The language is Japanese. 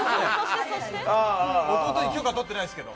弟に許可取ってないですけど。